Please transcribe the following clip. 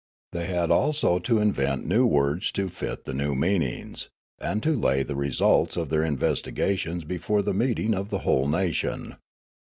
They had also to invent new words to fit the new meanings, and to lay the results of their investigations before the meeting of the whole nation.